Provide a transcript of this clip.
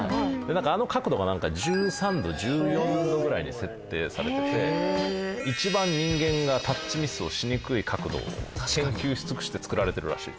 あの角度が１３度１４度ぐらいに設定されてて一番人間がタッチミスをしにくい角度を研究し尽くして作られてるらしい。